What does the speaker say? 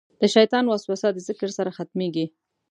د شیطان وسوسه د ذکر سره ختمېږي.